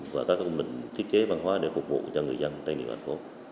và các công đình thiết kế văn hóa để phục vụ cho người dân doanh nghiệp thành phố